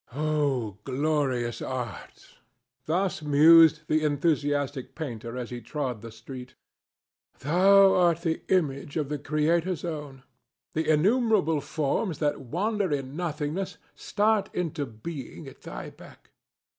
"O glorious Art!" Thus mused the enthusiastic painter as he trod the street. "Thou art the image of the Creator's own. The innumerable forms that wander in nothingness start into being at thy beck.